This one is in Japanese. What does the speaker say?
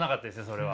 それは。